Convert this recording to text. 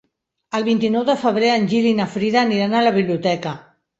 El vint-i-nou de febrer en Gil i na Frida aniran a la biblioteca.